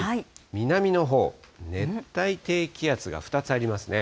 南のほう、熱帯低気圧が２つありますね。